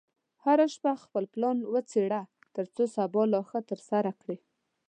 هره شپه خپل پلان وڅېړه، ترڅو سبا لا ښه ترسره کړې.